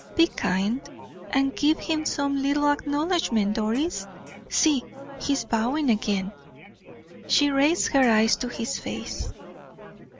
Be kind, and give him some little acknowledgment, Doris. See, he is bowing again." She raised her eyes to his face.